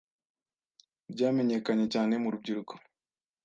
Ryamenyekanye cyane mu rubyiruko